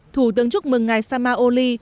thủ tướng chúc mừng ngày sama oli